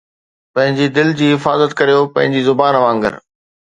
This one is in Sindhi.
پنھنجي دل جي حفاظت ڪريو پنھنجي زبان وانگر